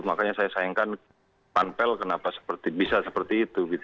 makanya saya sayangkan panpel kenapa bisa seperti itu